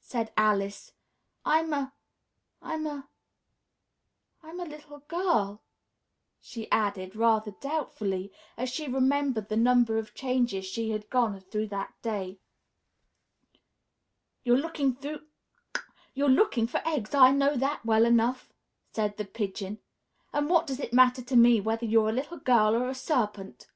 said Alice. "I'm a I'm a I'm a little girl," she added rather doubtfully, as she remembered the number of changes she had gone through that day. "You're looking for eggs, I know that well enough," said the Pigeon; "and what does it matter to me whether you're a little girl or a serpent?"